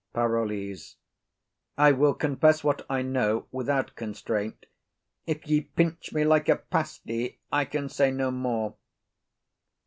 PAROLLES. I will confess what I know without constraint. If ye pinch me like a pasty I can say no more.